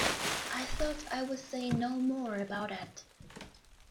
I thought I would say no more about it.